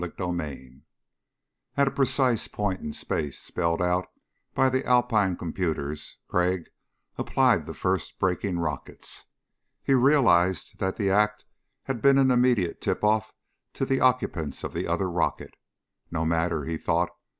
CHAPTER 8 At a precise point in space spelled out by the Alpine computers Crag applied the first braking rockets. He realized that the act had been an immediate tip off to the occupants of the other rocket. No matter, he thought.